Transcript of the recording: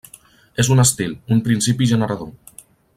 És un estil, un principi generador.